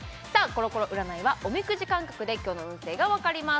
コロコロ占いはおみくじ感覚で今日の運勢が分かります